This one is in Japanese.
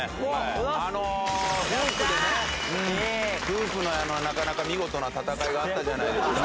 フープのなかなか見事な戦いがあったじゃないですか。